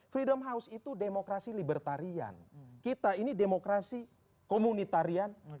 freedom house itu demokrasi libertarian kita ini demokrasi komunitarian